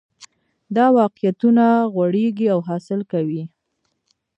دا واقعیتونه غوړېږي او حاصل ورکوي